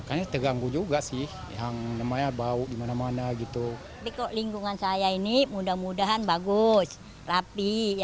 bagusnya nggak pernah banjir nggak pernah apa apa